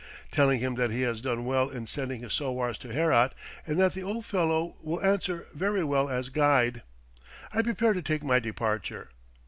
Telling him that he has done well in sending his sowars to Herat, and that the old fellow will answer very well as guide, I prepare to take my departure.